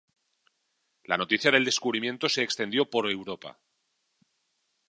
La noticia del descubrimiento se extendió por Europa.